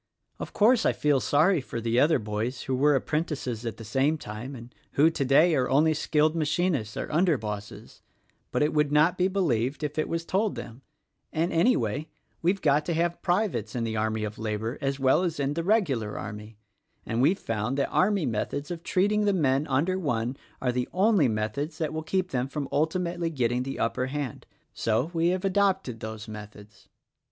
"Of course, I feel sorry for the other boys who were apprentices at the same time and who, today, are only skilled machinists or under bosses; but it would not be believed if it was told them, and, anyway, we've got to have privates in the army of labor as well as in the regular army, and we've found that army methods of treating the men under one are the only methods that will keep them from ultimately getting the upper hand: — so we have adopted those methods."